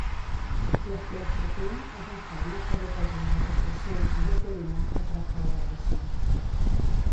La fluoxetina és un fàrmac que bloqueja la recaptació de serotonina -que tracta la depressió-.